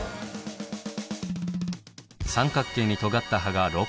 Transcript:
三角形にとがった歯が６本。